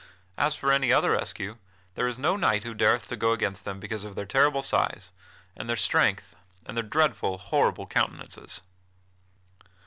As for any other rescue, there is no knight who dareth to go against them because of their terrible size, and their strength, and their dreadful, horrible countenances."